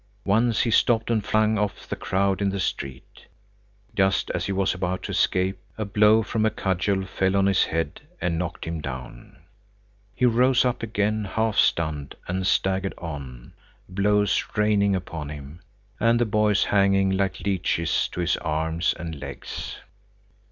Once he stopped and flung off the crowd in the street. Just as he was about to escape, a blow from a cudgel fell on his head and knocked him down. He rose up again, half stunned, and staggered on, blows raining upon him, and the boys hanging like leeches to his arms and legs.